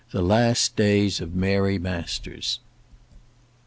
THE LAST DAYS OF MARY MASTERS.